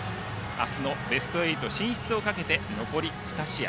明日のベスト８進出をかけて残り２試合。